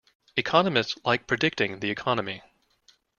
Economists like predicting the Economy.